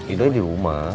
idoy di rumah